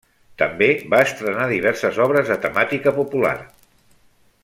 També va estrenar diverses obres de temàtica popular.